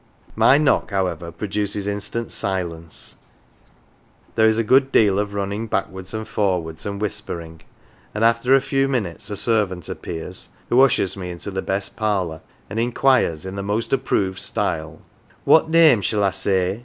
My knock, however, produces instant silence ; there is a good deal of running backwards and forwards, and whispering ; and after a few minutes a servant appears, who ushers me into the best parlour, and inquires in the most approved style :" What name shall I say